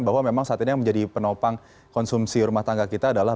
bahwa memang saat ini yang menjadi penopang konsumsi rumah tangga kita adalah